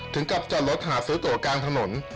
ถึงกับจอดรถหาซื้อตัวกลางถนน